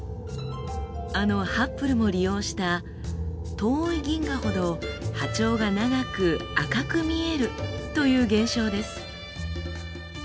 あのハッブルも利用した「遠い銀河ほど波長が長く赤く見える」という現象です。